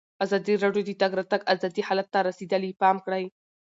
ازادي راډیو د د تګ راتګ ازادي حالت ته رسېدلي پام کړی.